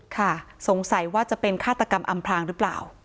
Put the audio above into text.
ค่ะสงสัยว่าจะเป็นฆาตกรรมอำพลางหรือเปล่า